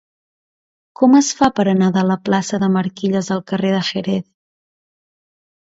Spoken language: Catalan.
Com es fa per anar de la plaça de Marquilles al carrer de Jerez?